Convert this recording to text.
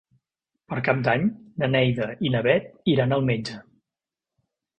Per Cap d'Any na Neida i na Bet iran al metge.